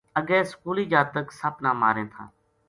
اگے سکولی جاتک سپ نا ماریں تھا